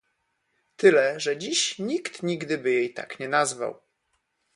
Tyle, że dziś nikt nigdy by jej tak nie nazwał